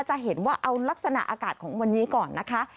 จะเห็นว่าเอาลักษณะอากาศของวันนี้ก่อนนะคะ